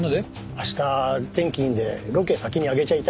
明日天気いいんでロケ先に上げちゃいたいんです。